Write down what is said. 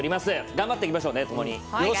頑張っていきましょうね。